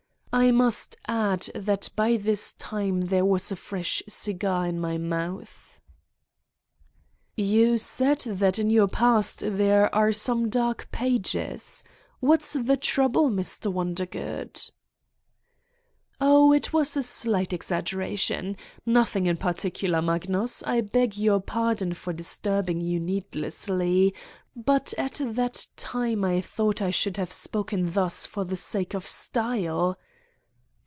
I must add that by this time there was a fresh cigar in my mouth. 117 Satan's Diary "You said that in your past there are some dark pages ... What's the trouble, Mr. Wonder good 1" ' i Oh ! it was a slight exaggeration. Nothing in particular, Magnus. I beg your pardon for dis turbing you needlessly, but at that time I thought I should have spoken thus for the sake of style